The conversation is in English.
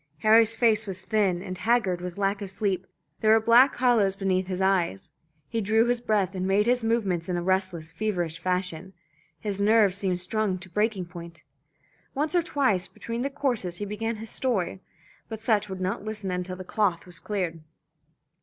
Harry's face was thin and haggard with lack of sleep, there were black hollows beneath his eyes; he drew his breath and made his movements in a restless feverish fashion, his nerves seemed strung to breaking point. Once or twice between the courses he began his story, but Sutch would not listen until the cloth was cleared.